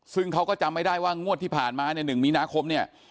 ซึ่งเขาก็จำไม่ได้ว่างวดที่ผ่านมาเนี่ย๑มีนาคมเนี่ย